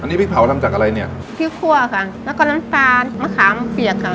อันนี้พริกเผาทำจากอะไรเนี้ยพริกคั่วค่ะแล้วก็น้ำตาลมะขามเปียกค่ะ